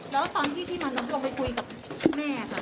แล้วตอนที่พี่มนุษย์ลงไปคุยกับพี่แม่ค่ะ